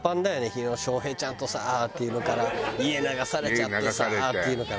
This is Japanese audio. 「日野正平ちゃんとさ」っていうのから「家流されちゃってさ」っていうのからね。